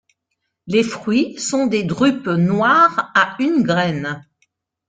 Les fruits sont des drupes noires à une graine.